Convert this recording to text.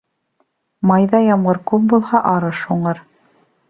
Майҙа ямғыр күп булһа, арыш уңыр.